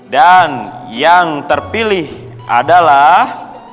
dan yang terpilih adalah